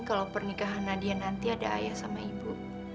kalau pernikahan nadia nanti ada ayah sama ibu